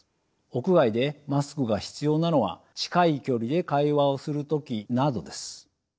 屋外でマスクが必要なのは近い距離で会話をする時などです。